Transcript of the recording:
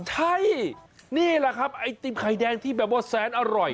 ใช่นี่แหละครับไอติมไข่แดงที่แบบว่าแสนอร่อย